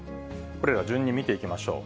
これら順に見ていきましょう。